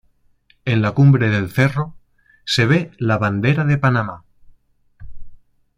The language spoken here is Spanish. En la cumbre del cerro, se ve la bandera de Panamá.